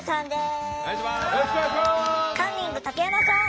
カンニング竹山さん。